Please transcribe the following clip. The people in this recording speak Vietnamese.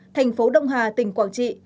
thành phố đông hà tỉnh quảng trị